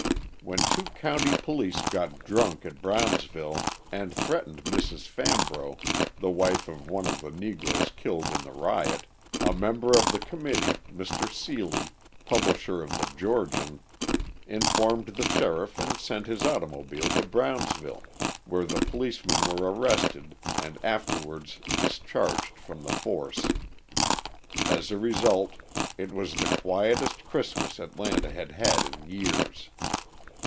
When two county police got drunk at Brownsville and threatened Mrs. Fambro, the wife of one of the Negroes killed in the riot, a member of the committee, Mr. Seeley, publisher of the Georgian, informed the sheriff and sent his automobile to Brownsville, where the policemen were arrested and afterward discharged from the force. As a result, it was the quietest Christmas Atlanta had had in years.